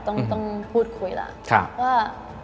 เราต้องพูดคุยว่า